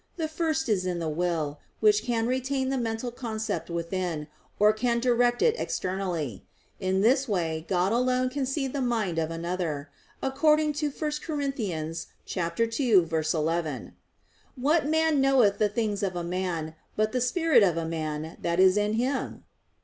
The first is in the will, which can retain the mental concept within, or can direct it externally. In this way God alone can see the mind of another, according to 1 Cor. 2:11: "What man knoweth the things of a man, but the spirit of a man that is in him?"